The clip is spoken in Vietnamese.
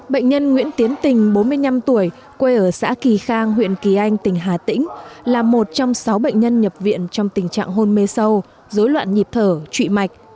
bệnh nhân nguyễn tiến tình bốn mươi năm tuổi quê ở xã kỳ khang huyện kỳ anh tỉnh hà tĩnh là một trong sáu bệnh nhân nhập viện trong tình trạng hôn mê sâu dối loạn nhịp thở trụy mạch